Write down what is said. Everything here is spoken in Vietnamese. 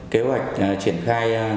kế hoạch triển khai